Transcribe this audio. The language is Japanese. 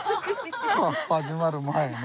始まる前ね。